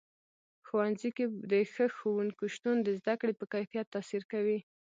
ښوونځي کې د ښه ښوونکو شتون د زده کړې په کیفیت تاثیر کوي.